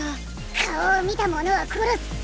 顔を見たものは殺す！